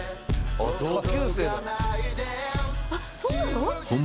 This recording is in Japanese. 「あっそうなの？」